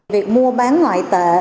việc mua bán ngoại tệ